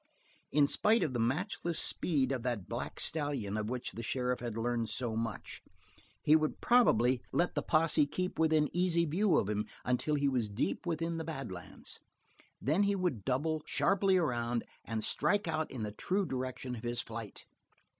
In spite of the matchless speed of that black stallion of which the sheriff had learned so much, he would probably let the posse keep within easy view of him until he was deep within the bad lands. Then he would double, sharply around and strike out in the true direction of his flight.